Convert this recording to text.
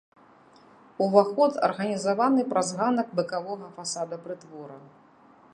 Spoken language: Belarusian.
Уваход арганізаваны праз ганак бакавога фасада прытвора.